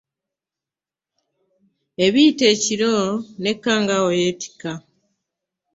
Ebiyita ekiro ne Kkangaawo yeetikka.